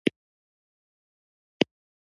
ډزې هم داسې دي چې ړندې او کڼې دي.